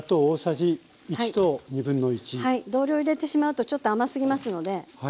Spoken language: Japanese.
同量入れてしまうとちょっと甘すぎますので。